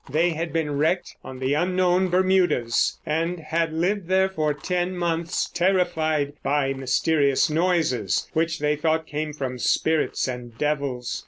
They had been wrecked on the unknown Bermudas, and had lived there for ten months, terrified by mysterious noises which they thought came from spirits and devils.